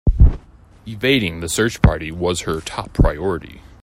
Evading the search party was her top priority.